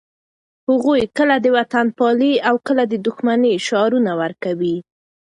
هغوی کله د وطنپالنې او کله د دښمنۍ شعارونه ورکوي.